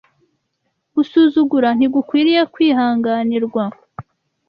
gusuzugura ntigukwiriye kwihanganirwa